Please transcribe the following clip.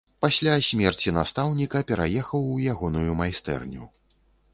Пасля смерці настаўніка пераехаў у ягоную майстэрню.